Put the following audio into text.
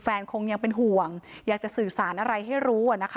คงยังเป็นห่วงอยากจะสื่อสารอะไรให้รู้